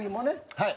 はい。